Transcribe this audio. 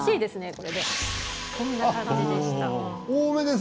こんな感じでした。